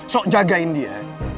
sok jagain dia